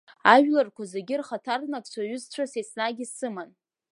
Ажәларқәа зегьы рхаҭарнакцәа ҩызцәас еснагь исыман.